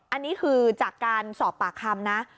อันนี้คือจากการสอบปากคำนะ